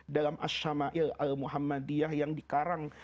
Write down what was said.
dalam asyama'il al muhammadiyah yang di karang